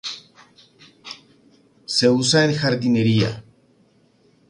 Se usa en jardinería.